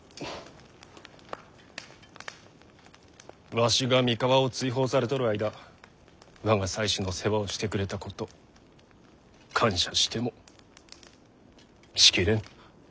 わしが三河を追放されとる間我が妻子の世話をしてくれたこと感謝してもし切れん。